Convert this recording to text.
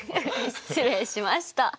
失礼しました。